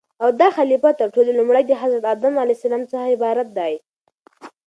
او داخليفه تر ټولو لومړى دحضرت ادم عليه السلام څخه عبارت دى